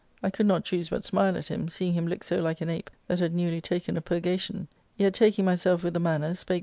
I could not choose but smile at him, seeing him look so like an ape that had newly taken a purga tion : yet, taking myself with the manner, spake